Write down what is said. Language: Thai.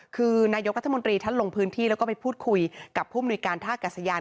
คือนายกรัฐมนตรีท่านลงพื้นที่แล้วก็ไปพูดคุยกับผู้มนุยการท่ากัศยาน